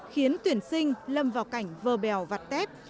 khiến tuyển sinh lâm vào cảnh vờ bèo vặt tép